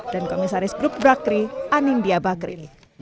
dan komisaris grup brakri anindya bakri